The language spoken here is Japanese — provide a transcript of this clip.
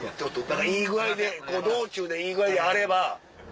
だからいい具合で道中でいい具合であれば。